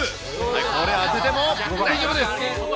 これ当てても大丈夫です。